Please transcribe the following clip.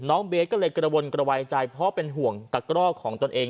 เบสก็เลยกระวนกระวายใจเพราะเป็นห่วงตะกร่อของตนเอง